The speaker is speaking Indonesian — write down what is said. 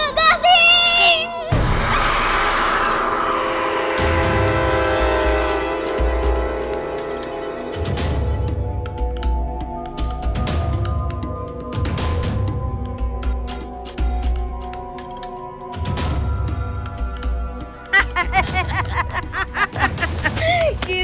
udah sabit lagi '